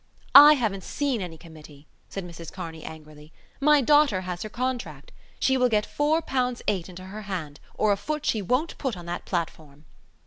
"I haven't seen any Committee," said Mrs Kearney angrily. "My daughter has her contract. She will get four pounds eight into her hand or a foot she won't put on that platform."